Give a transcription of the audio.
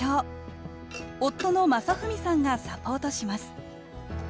夫の正文さんがサポートします